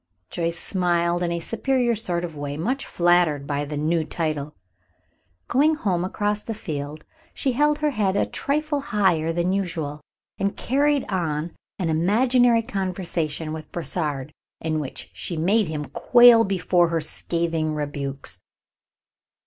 Joyce smiled in a superior sort of way, much flattered by the new title. Going home across the field she held her head a trifle higher than usual, and carried on an imaginary conversation with Brossard, in which she made him quail before her scathing rebukes.